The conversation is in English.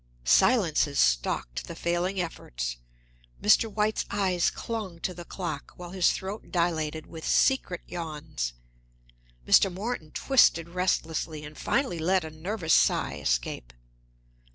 Silences stalked the failing efforts. Mr. White's eyes clung to the clock while his throat dilated with secret yawns; Mr. Morton twisted restlessly and finally let a nervous sigh escape.